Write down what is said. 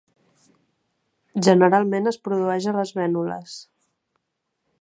Generalment es produeix a les vènules.